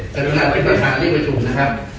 กระดับประธานวิทยุไทยสนุกนะครับ